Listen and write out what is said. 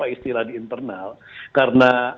istilah di internal karena